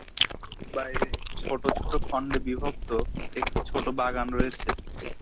ভবনের বাইরে ছোট ছোট খণ্ডে বিভক্ত একটি ছোট বাগান রয়েছে।